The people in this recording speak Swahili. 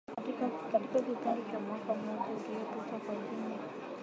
katika kipindi cha mwaka mmoja uliopita kwa lengo la kurejesha uhusiano wa kidiplomasia